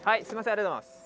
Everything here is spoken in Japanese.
ありがとうございます。